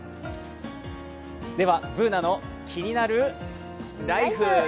では「ＢｏｏｎａのキニナルＬＩＦＥ」。